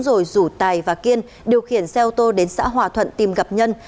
rồi rủ tài và kiên điều khiển xe ô tô đến xã hòa thuận tìm gặp nhân